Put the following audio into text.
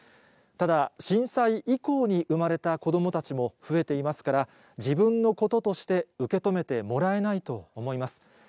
ただ、震災以降に生まれた子どもたちも増えていますから、自分のこととして、受け止めてもらえないと思います。